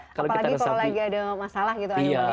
apalagi kalau lagi ada masalah gitu